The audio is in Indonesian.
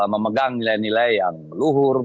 memegang nilai nilai yang luhur